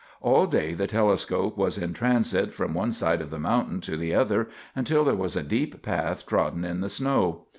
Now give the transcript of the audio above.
All day the telescope was in transit from one side of the mountain to the other until there was a deep path trodden in the snow.